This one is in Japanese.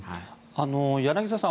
柳澤さん